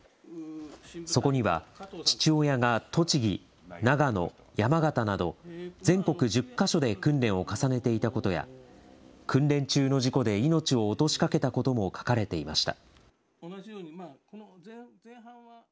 そこには、父親が栃木、長野、山形など、全国１０か所で訓練を重ねていたことや、訓練中の事故で命を落としかけたことも書かれていました。